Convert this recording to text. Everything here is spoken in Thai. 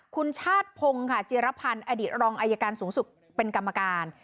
คุณชาติพงศ์ค่ะจิรพันธ์อดีตรองอายการสูงสุดเป็นกรรมการ